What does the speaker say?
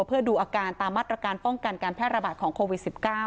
เพื่อดูอาการตามมาตรการป้องกันการแพร่ระบาดของโควิด๑๙